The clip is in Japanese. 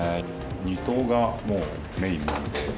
二等がもう、メインなんで。